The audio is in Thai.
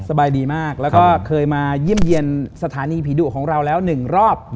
สบายดีมากแล้วก็เคยมาเยี่ยมเยี่ยมสถานีผีดุของเราแล้วหนึ่งรอบ